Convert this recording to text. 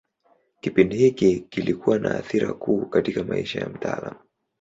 Kipindi hiki kilikuwa na athira kuu katika maisha ya mtaalamu.